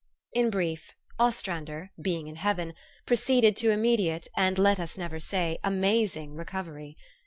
In brief, Ostrander, being in heaven, proceeded to immediate, and let us never say, amazing recovery.